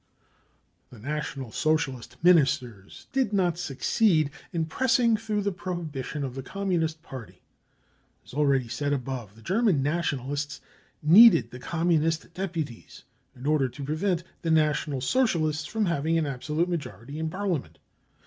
The National Socialist Ministers did not succeed in pressing through the prohibition of the Communist Party. As already said above, the German Nationalists needed the Communist deputies in order to prevent the National Socialists from having an absolute majority in Parliament.